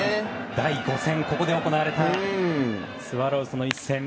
第５戦、ここで行われたスワローズの一戦。